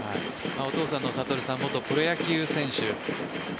お父さんの暁さん元プロ野球選手。